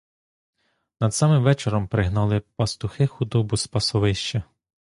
Над самим вечором пригнали пастухи худобу з пасовища.